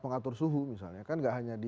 pengatur suhu misalnya kan gak hanya di